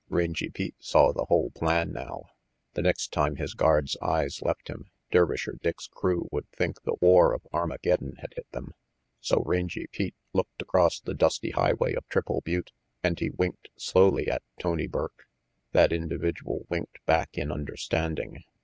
Rangy Pete saw the whole plan now. The next time his guard's eyes left him, Dervisher Dick's crew would think the war of Armageddon had hit them. So Rangy Pete looked across the dusty highway of Triple Butte and he winked slowly at Tony Burke. That individual winked back in understanding.